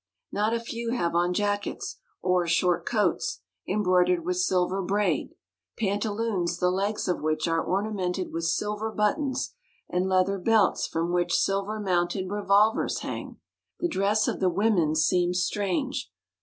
Not a few have on jackets, or short coats, embroidered with silver braid, pantaloons the legs B^ _ of which are ornamented with silver WtF^^ buttons, and leather belts from which ^^^1 silver mounted revolvers hang. The dress of the women seems strange.